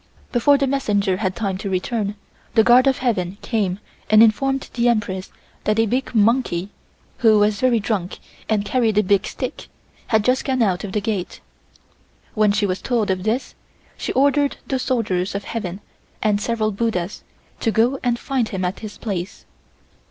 Before the messenger had time to return, the Guard of Heaven came and informed the Empress that a big monkey, who was very drunk and carrying a big stick, had just gone out of the gate. When she was told this, she ordered the soldiers of heaven and several buddhas to go and find him at his place.